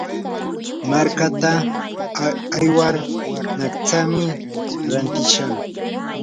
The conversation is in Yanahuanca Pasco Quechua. markaata aywar naqtsami rantishaq.